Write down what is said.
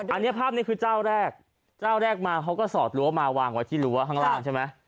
อันนี้ภาพนี้คือเจ้าแรกเจ้าแรกมาเขาก็สอดรั้วมาวางไว้ที่รั้วข้างล่างใช่ไหม